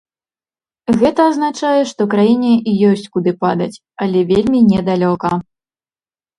Гэта азначае, што краіне ёсць куды падаць, але вельмі не далёка.